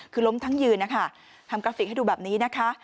คือล้มทั้งยืนนะคะทำกราฟิกให้ดูแบบนี้นะคะ